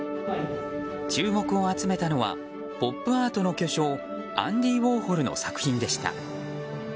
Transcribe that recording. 注目を集めたのはポップアートの巨匠アンディ・ウォーホルの作品でした。